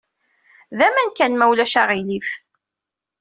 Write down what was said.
D aman kan, ma ulac aɣilif.